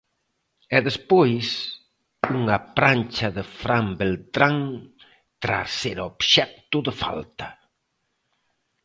E despois, unha prancha de Fran Beltrán tras ser obxecto de falta.